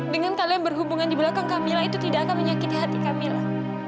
dengan kalian berhubungan di belakang kamila itu tidak akan menyakiti hati camillah